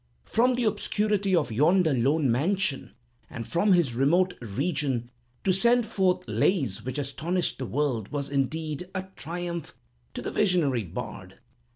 From the obscurity of yonder lone mansion, and from this remote region, to send forth lays which astonished the world, was, indeed, a triumph to the visionary bard.